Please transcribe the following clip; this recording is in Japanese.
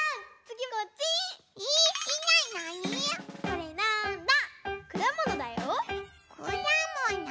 これなんだ？